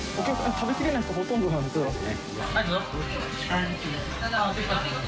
食べきれない人がほとんどなんですか？